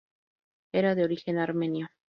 Era de origen armenio.